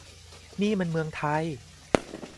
นี่มันเมืองไทย !